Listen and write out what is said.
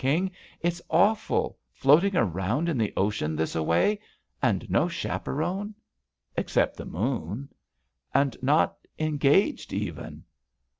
King. It's aw ful ! Floating around in the ocean, this a way. And no chaperone!" "Except the moon." "And not — engaged, even!"